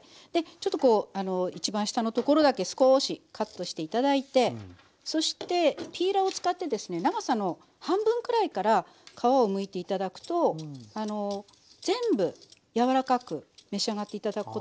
ちょっとこう一番下のところだけ少しカットして頂いてそしてピーラーを使ってですね長さの半分くらいから皮をむいて頂くと全部柔らかく召し上がって頂くことができるのでいいと思います。